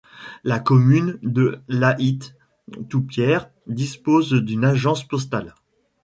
La commune de Lahitte-Toupière dispose d'une agence postale.